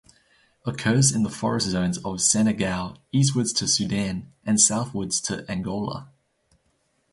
Occurs in the forest zones of Senegal eastwards to Sudan and southwards to Angola.